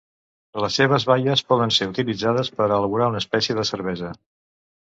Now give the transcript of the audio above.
Les seves baies poden ser utilitzades per a elaborar una espècie de cervesa.